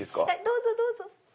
どうぞどうぞ。